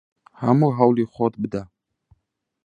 هەموو هەوڵی خۆت بدە!